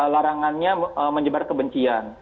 larangannya menyebar kebencian